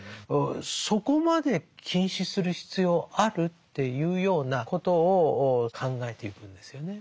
そこまで禁止する必要ある？っていうようなことを考えていくんですよね。